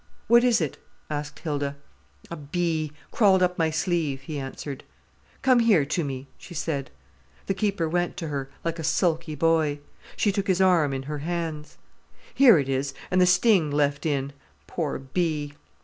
"What is it?" asked Hilda. "A bee—crawled up my sleeve," he answered. "Come here to me," she said. The keeper went to her, like a sulky boy. She took his arm in her hands. "Here it is—and the sting left in—poor bee!"